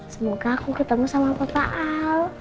semoga aku ketemu sama kota al